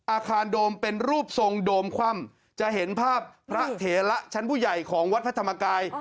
อาคารโดมเป็นรูปทรงโดมคว่ำจะเห็นภาพพระเถระชั้นผู้ใหญ่ของวัดพระธรรมกาย